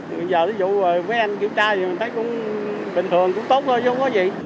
bây giờ ví dụ với anh kiểm tra thì mình thấy cũng bình thường cũng tốt thôi chứ không có gì